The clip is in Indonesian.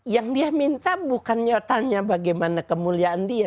yang dia minta bukannya tanya bagaimana kemuliaan dia